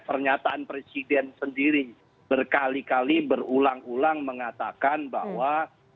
pernyataan presiden sendiri berkali kali berulang ulang mengatakan bahwa